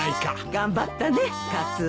頑張ったねカツオ。